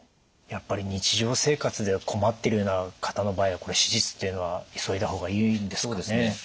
やっぱり日常生活で困ってるような方の場合は手術っていうのは急いだ方がいいんですかね？